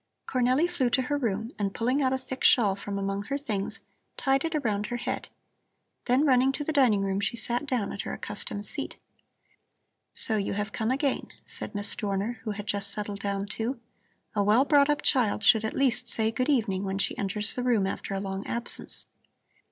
Cornelli flew to her room and, pulling out a thick shawl from among her things, tied it around her head. Then, running to the dining room, she sat down at her accustomed seat. "So you have come again," said Miss Dorner, who had just settled down, too. "A well brought up child should at least say good evening when she enters the room after a long absence."